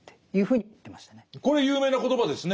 これ有名な言葉ですね。